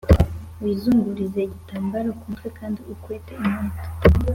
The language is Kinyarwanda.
Wizungurize igitambaro ku mutwe kandi ukwete inkwato